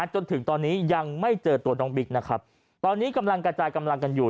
จนถึงตอนนี้ยังไม่เจอตัวน้องบิ๊กนะครับตอนนี้กำลังกระจายกำลังกันอยู่